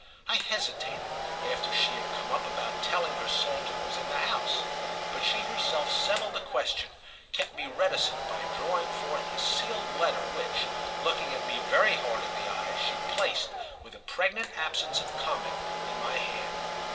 I hesitated, after she had come up, about telling her Saltram was in the house, but she herself settled the question, kept me reticent by drawing forth a sealed letter which, looking at me very hard in the eyes, she placed, with a pregnant absence of comment, in my hand.